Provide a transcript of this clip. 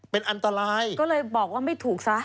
เป็นอันตรายก็เลยบอกว่าไม่ถูกซะ